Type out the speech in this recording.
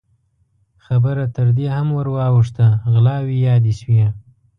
خبره تر دې هم ور واوښته، غلاوې يادې شوې.